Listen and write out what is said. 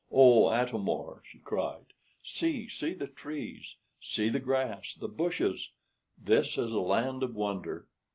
"Oh, Atam or," she cried, "see see the trees, see the grass, the bushes! This is a land of wonder.